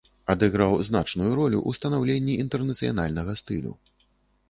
Адыграў значную ролю ў станаўленні інтэрнацыянальнага стылю.